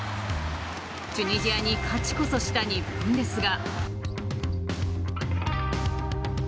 チュニジアに勝ちこそした日本ですが。